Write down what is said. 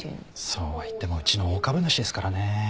そうは言ってもうちの大株主ですからね。